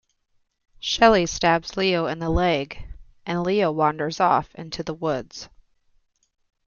Shelly stabs Leo in the leg, and Leo wanders off into the woods.